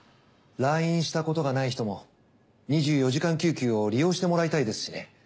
来院したことがない人も２４時間救急を利用してもらいたいですしね。